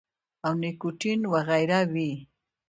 او نيکوټین وغېره وي -